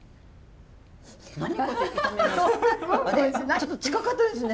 ちょっと近かったですね。